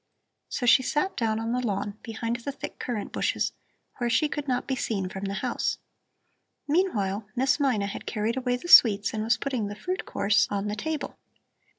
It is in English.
So she sat down on the lawn behind the thick currant bushes, where she could not be seen from the house. Meanwhile, Miss Mina had carried away the sweets and was putting the fruit course on the table.